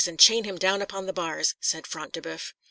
and chain him down upon the bars," said Front de Boeuf.